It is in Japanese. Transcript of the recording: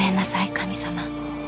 神様。